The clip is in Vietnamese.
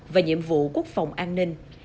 và nhiệm vụ quốc phòng an ninh